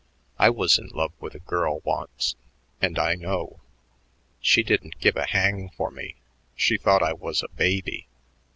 I was in love with a girl once and I know. She didn't give a hang for me; she thought I was a baby.